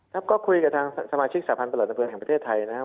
ครับก็คุยกับทางสมาชิกสาธารณประหลาดนำเฟือนของประเทศไทยนะครับ